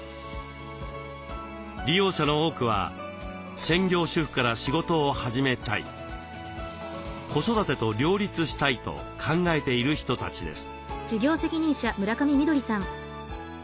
利用者の多くは「専業主婦から仕事を始めたい」「子育てと両立したい」と考えている人たちです。